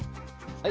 はい。